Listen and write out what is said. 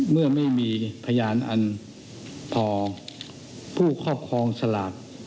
เมื่อไม่มีพยานอันพอผู้ครอบครองสลาก